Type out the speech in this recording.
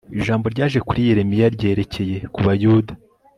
ijambo ryaje kuri yeremiya ryerekeye ku bayuda